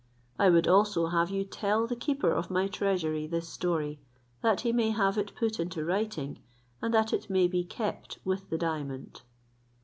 I would also have you tell the keeper of my treasury this story, that he may have it put into writing, and that it may be kept with the diamond."